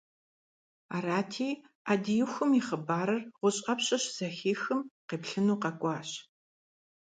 Арати, Ӏэдиихум и хъыбарыр ГъущӀ Ӏэпщэ щызэхихым, къеплъыну къэкӀуащ.